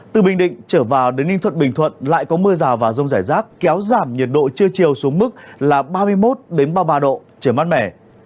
từ bình định trở vào đến ninh thuận bình thuận lại có mưa rào và rông rải rác kéo giảm nhiệt độ trưa chiều xuống mức là ba mươi một ba mươi ba độ trời mát mẻ